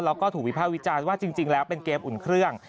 แล้วก็ถูกวิภาควิจารณ์ว่าจริงแล้วเป็นเกมอุ่นเครื่อง